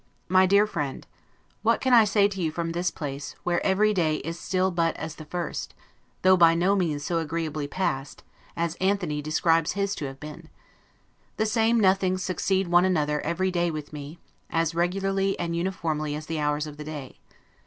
MY DEAR FRIEND: What can I say to you from this place, where EVERY DAY IS STILL BUT AS THE FIRST, though by no means so agreeably passed, as Anthony describes his to have been? The same nothings succeed one another every day with me, as, regularly and uniformly as the hours of the day.